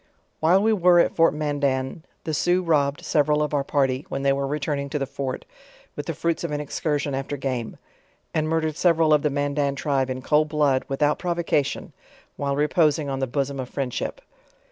While we wre at fortMandan, the Sioux robbed several of our party when they were returning to the fort, with the fruits of an excursion after game; and murdered several of the Mandan tribe in cold blood, without provocation, while reposing on the bosom of friendship.